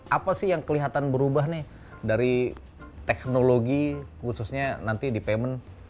apa sih yang kelihatan berubah nih dari teknologi khususnya nanti di payment